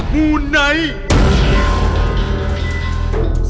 มูไนท์